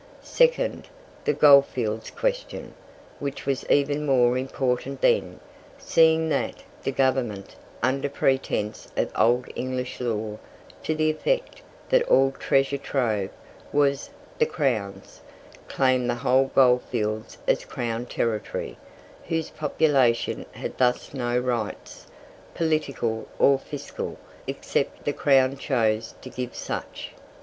Second, the Goldfields Question, which was even more important then, seeing that the Government, under pretence of old English law, to the effect that all "treasure trove" was the Crown's, claimed the whole goldfields as Crown territory, whose population had thus no rights, political or fiscal, except the Crown chose to give such.